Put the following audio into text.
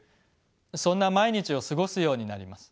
そんな毎日を過ごすようになります。